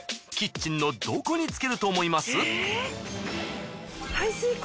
キッチンのどこに付けると思います？